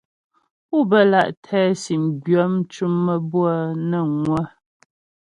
Pú bə́́ lǎ' tɛ sìm gwyə̌ mcʉ̀m maə́bʉə̌'ə nə́ ŋwə̌.